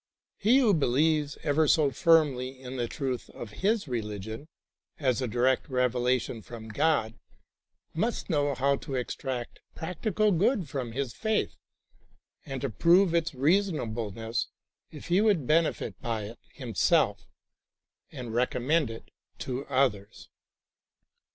He who believes ever so firmly in the truth of his religion as a direct revelation from God must know how to THE THREE MOTIVES OF FAITH extract practical good from his faith and to prove its reasona})leness if he would benefit by it himself or recommend it to others.